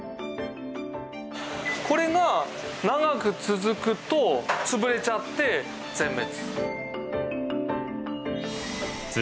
これが長く続くと潰れちゃって全滅。